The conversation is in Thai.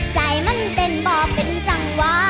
ใจมันเป็นบอกเป็นจังหวะ